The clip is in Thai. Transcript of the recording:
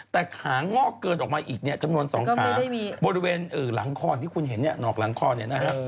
แต่ขางอกเกินออกมาอีกเนี่ยจำนวน๒ขาบริเวณหลังคอที่คุณเห็นเนี่ยหนอกหลังคอเนี่ยนะฮะ